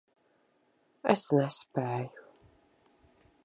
Es nespēju.